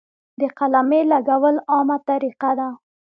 د قلمې لګول عامه طریقه ده.